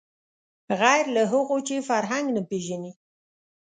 غیر له هغو چې فرهنګ نه پېژني